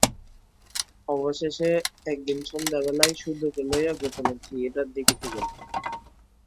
অবশেষে একদিন সন্ধ্যাবেলায় সুধোকে লইয়া গোপনে থিয়েটার দেখিতে গেল।